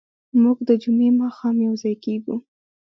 موږ د جمعې ماښام یوځای کېږو.